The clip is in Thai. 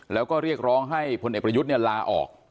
แล้วก็เรียกร้องให้พลเอกประยุทธ์ลาออก